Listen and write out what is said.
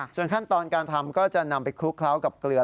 ส่วนขั้นตอนการทำก็จะนำไปคลุกเคล้ากับเกลือ